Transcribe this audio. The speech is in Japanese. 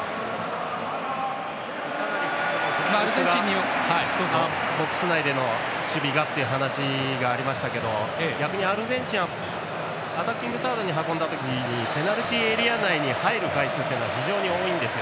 かなりフランスはボックス内での守備がという話がありましたけど逆にアルゼンチンはアタッキングサードに運んだ時ペナルティーエリア内に入る回数が非常に多いんです。